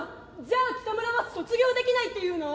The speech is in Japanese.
じゃあキタムラは卒業できないっていうの？」。